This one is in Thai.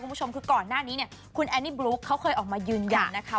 คุณผู้ชมคือก่อนหน้านี้เนี่ยคุณแอนนี่บลุ๊กเขาเคยออกมายืนยันนะคะ